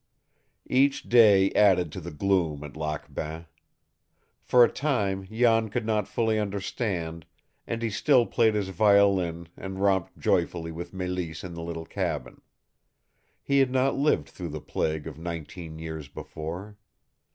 Each day added to the gloom at Lac Bain. For a time Jan could not fully understand, and he still played his violin and romped joyfully with Mélisse in the little cabin. He had not lived through the plague of nineteen years before.